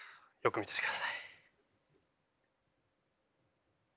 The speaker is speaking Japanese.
よく見ててください。